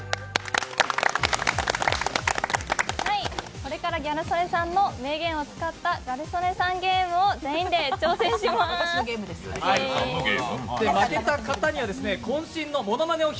これからギャル曽根さんの名言を使った「ギャル曽根さんゲーム」を全員で挑戦します、イエーイ！